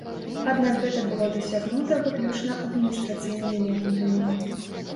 Аднак гэта было дасягнута выключна адміністрацыйнымі метадамі.